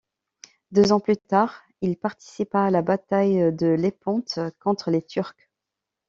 Deux ans plus tard, il participa à la bataille de Lépante contre les Turcs.